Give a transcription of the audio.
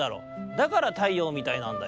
だから太陽みたいなんだ。